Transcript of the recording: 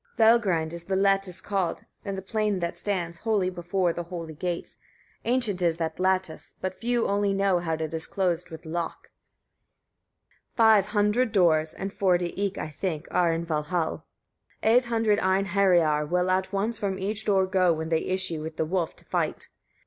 22. Valgrind is the lattice called, in the plain that stands, holy before the holy gates: ancient is that lattice, but few only know how it is closed with lock. 23. Five hundred doors, and forty eke, I think, are in Valhall. Eight hundred Einheriar will at once from each door go when they issue with the wolf to fight.